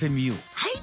はい！